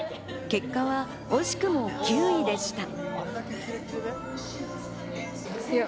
結果は惜しくも９位でした。